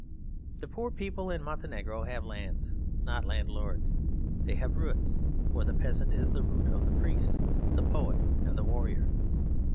The poor people in Montenegro have lands not landlords. They have roots; for the peasant is the root of the priest, the poet, and the warrior.